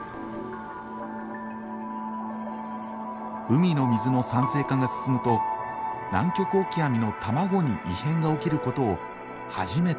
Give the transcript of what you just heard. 海の水の酸性化が進むとナンキョクオキアミの卵に異変が起きることを初めて突き止めた。